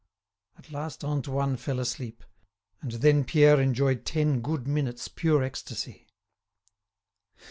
At last Antoine fell asleep, and then Pierre enjoyed ten good minutes' pure ecstasy.